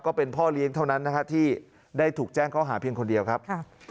ก็เป็นพ่อเลี้ยงเท่านั้นนะฮะที่ได้ถูกแจ้งเขาหาเพียงคนเดียวครับ